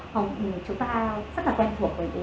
chúng ta rất là quen thuộc với từ